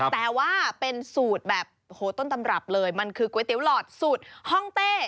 แต่ว่าเป็นสูตรแบบโอ้โหต้นตำรับเลยมันคือก๋วยเตี๋ยวหลอดสูตรห้องเต้